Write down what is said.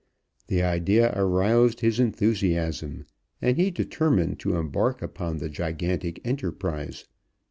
The idea aroused his enthusiasm, and he determined to embark upon the gigantic enterprise.